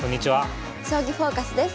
「将棋フォーカス」です。